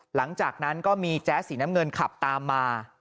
หลังจากนั้นก็มีแจ๊สสีน้ำเงินขับตามมา